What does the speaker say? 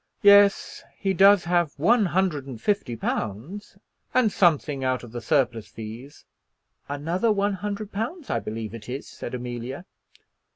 Yes; he does have one hundred and fifty pounds, and something out of the surplice fees." "Another one hundred pounds I believe it is," said Amelia.